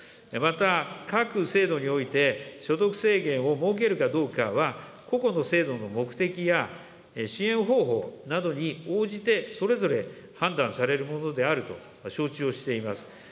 また、各制度において、所得制限を設けるかどうかは、個々の制度の目的や支援方法などに応じて、それぞれ判断されるものであると承知をしています。